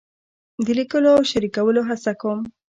د لیکلو او شریکولو هڅه کوم.